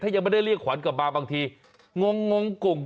ยังไม่ได้เรียกขวัญกลับมาบางทีงงกุ่ง